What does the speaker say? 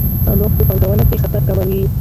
تنوع په پانګونه کې خطر کموي.